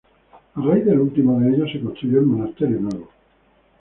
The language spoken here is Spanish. A raíz del último de ellos, se construyó el Monasterio Nuevo.